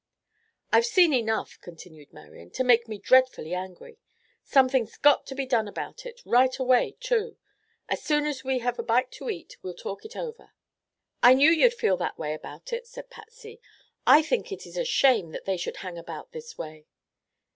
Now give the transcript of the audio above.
"I've seen enough," continued Marian, "to make me dreadfully angry. Something's got to be done about it. Right away, too. As soon as we have a bite to eat we'll talk it over." "I knew you'd feel that way about it," said Patsy. "I think it's a shame that they should hang about this way."